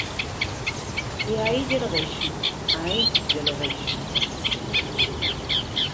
E aí llelo deixo, aí llelo deixo.